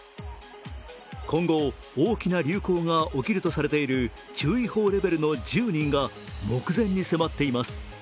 今後、大きな流行が起きるとされている注意報レベルの１０人が目前に迫っています。